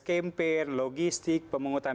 kempen logistik pemungutan